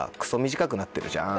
短くなってるじゃん？